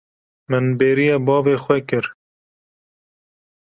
Min bêriya bavê xwe kir.